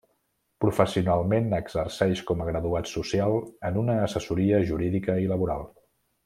Professionalment exerceix com a graduat social en una assessoria jurídica i laboral.